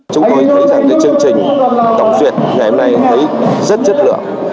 chúng tôi nghĩ rằng cái chương trình tổng duyệt ngày hôm nay thấy rất chất lượng